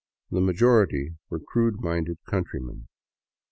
The majority were crude minded countrymen.